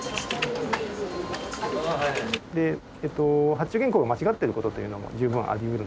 発注原稿が間違っている事というのも十分あり得るので。